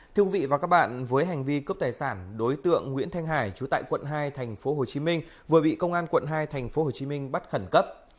thưa quý vị và các bạn với hành vi cướp tài sản đối tượng nguyễn thanh hải chú tại quận hai tp hcm vừa bị công an quận hai tp hcm bắt khẩn cấp